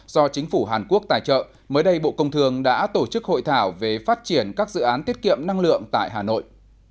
do chính phủ hàn quốc tài trợ mới đây bộ công thường đã tổ chức hội thảo về phát triển các dự án tiết kiệm năng lượng tại hà nội